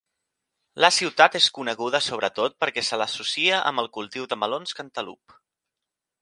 La ciutat és coneguda sobretot perquè se l'associa amb el cultiu de melons cantalup.